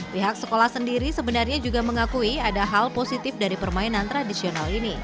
pihak sekolah sendiri sebenarnya juga mengakui ada hal positif dari permainan tradisional ini